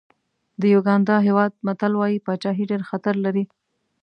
د یوګانډا هېواد متل وایي پاچاهي ډېر خطر لري.